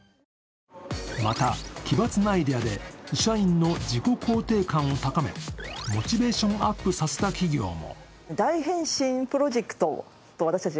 また、奇抜なアイデアで社員の自己肯定感を高めモチベーションアップさせた企業も。